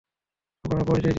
আপনার পরিচয় দিন।